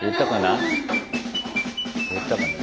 言ったかな？